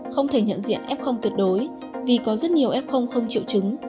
không thể nhận diện ép không tuyệt đối vì có rất nhiều ép không không triệu chứng